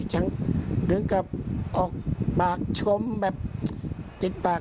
เหมือนกับออกปากชมแบบปิดปาก